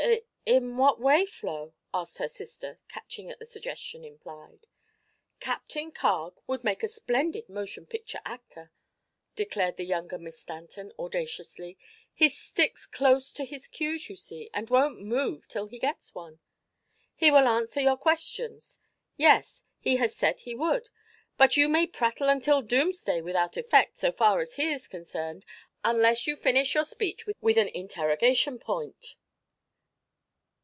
"I in what way, Flo?" asked her sister, catching at the suggestion implied. "Captain Carg would make a splendid motion picture actor," declared the younger Miss Stanton, audaciously. "He sticks close to his cues, you see, and won't move till he gets one. He will answer your questions; yes, he has said he would; but you may prattle until doomsday without effect, so far as he is concerned, unless you finish your speech with an interrogation point."